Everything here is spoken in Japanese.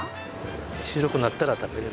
白くなったら食べられる。